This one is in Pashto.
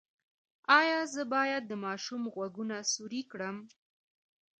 ایا زه باید د ماشوم غوږونه سورۍ کړم؟